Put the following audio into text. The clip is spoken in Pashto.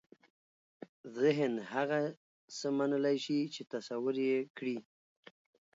ذهن هغه څه منلای شي چې تصور یې کړي.